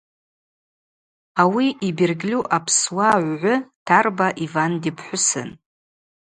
Ауи йбергьльу апсуа гӏвгӏвы Тарба Иван дипхӏвысын.